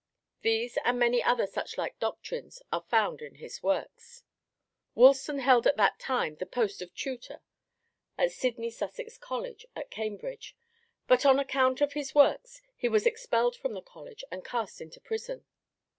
These and many other such like doctrines are found in his works. Woolston held at that time the post of tutor at Sidney Sussex College at Cambridge; but on account of his works he was expelled from the College and cast into prison.